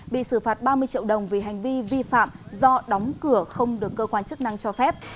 bị xử phạt ba mươi triệu đồng vì hành vi vi phạm do đóng cửa không được cơ quan chức năng cho phép